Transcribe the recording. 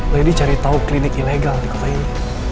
lady cari tahu klinik ilegal di kota ini